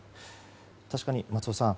確かに松尾さん